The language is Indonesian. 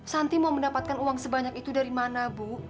santi mau mendapatkan uang sebanyak itu dari mana bu